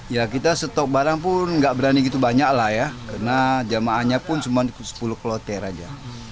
ya kita stok barang pun nggak berani gitu banyak lah ya karena jamaahnya pun cuma sepuluh kloter aja